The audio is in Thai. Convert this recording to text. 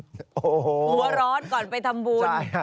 หัวร้อนก่อนไปทำบุญ